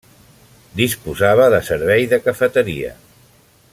Disposava de servei de cafeteria.